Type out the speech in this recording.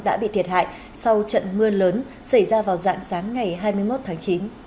đã bị thiệt hại sau trận mưa lớn xảy ra vào dạng sáng ngày hai mươi một tháng chín